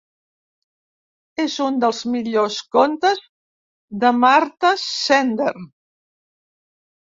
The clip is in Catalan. És un dels millors contes de Marta Sender.